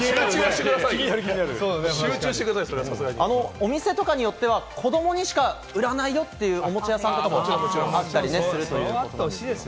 お店とかによっては、子どもにしか売らないよというお店屋さんもあったりするということです。